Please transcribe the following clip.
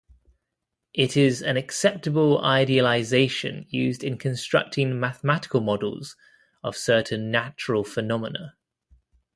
It is an acceptable idealization used in constructing mathematical models of certain natural phenomena.